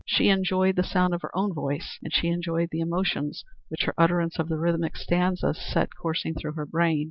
She enjoyed the sound of her own voice, and she enjoyed the emotions which her utterance of the rhythmic stanzas set coursing through her brain.